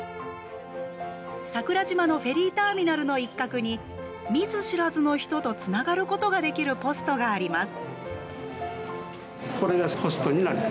桜島のフェリーターミナルの一角に見ず知らずの人とつながることができるポストがあります。